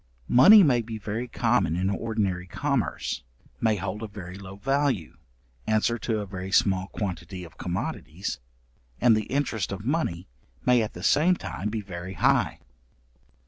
Money may be very common in ordinary commerce, may hold a very low value, answer to a very small quantity of commodities, and the interest of money may at the same time be very high.